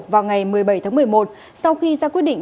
vào ngày một mươi bảy tháng một mươi một sau khi ra quyết định